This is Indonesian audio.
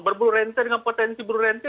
berburu rente dengan potensi buru rente